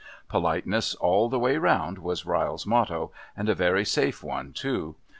"Politeness all the way round" was Ryle's motto, and a very safe one too.